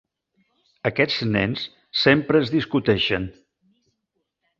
Aquests nens sempre es discuteixen.